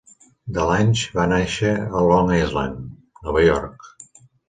DeLange va nàixer a Long Island, Nova York.